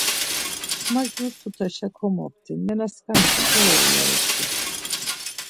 Ma jur tutaşa komopti nena skanis korei? ya utzu.